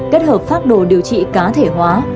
kết hợp pháp đồ điều trị cá thể hóa